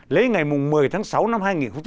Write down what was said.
lấy ngày một mươi tháng sáu năm hai nghìn một mươi tám